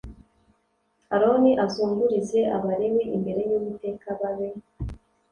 Aroni azungurize Abalewi imbere y Uwiteka babe